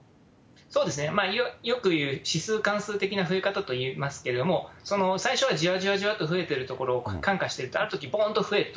そうですね、よくいう指数関数的な増え方といいますけれども、その最初はじわじわじわっと増えてるところ、看過してると、あるとき、ぽーんと増えると。